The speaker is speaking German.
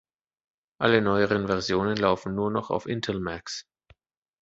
Alle neueren Versionen laufen nur noch auf Intel-Macs.